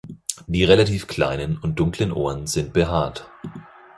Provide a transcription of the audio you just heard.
Die relativ kleinen und dunklen Ohren sind behaart.